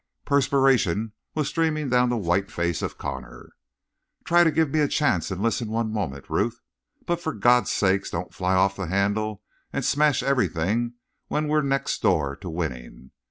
Perspiration was streaming down the white face of Connor. "Try to give me a chance and listen one minute, Ruth. But for God's sake don't fly off the handle and smash everything when we're next door to winning.